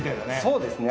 そうですね。